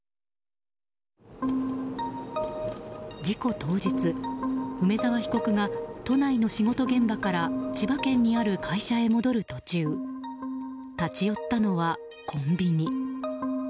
事故当日、梅沢被告が都内の仕事現場から千葉県にある会社へ戻る途中立ち寄ったのはコンビニ。